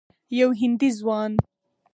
یو هندي ځوان